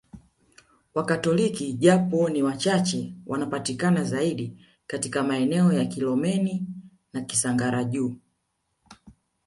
Wakatoliki japo ni wachache wanapatikana zaidi katika maeneo ya Kilomeni na Kisangara Juu